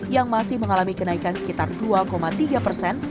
yang masih mengalami kenaikan sekitar dua tiga persen